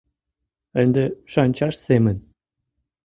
Ынде шанчаш семын